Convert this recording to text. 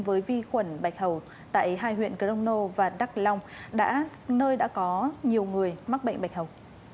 với vi khuẩn bạch hầu tại hai huyện cơ đông nô và đắk long nơi đã có nhiều người mắc bệnh bạch hầu